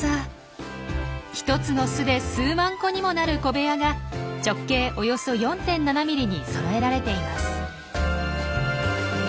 １つの巣で数万個にもなる小部屋が直径およそ４．７ミリにそろえられています。